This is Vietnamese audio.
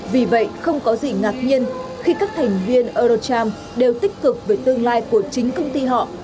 vì vậy không có gì ngạc nhiên khi các thành viên eurocharm đều tích cực về tương lai của chính công ty họ